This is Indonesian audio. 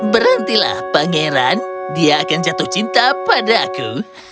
berhentilah pangeran dia akan jatuh cinta padaku